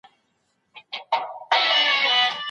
ده وویل چي پښتو زما د پېژندنې تر ټولو قوي ثبوت دی.